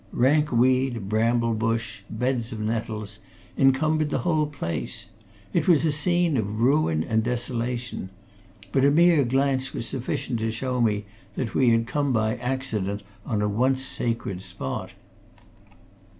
Rank weed, bramblebush, beds of nettles, encumbered the whole place; it was a scene of ruin and desolation. But a mere glance was sufficient to show me that we had come by accident on a once sacred spot.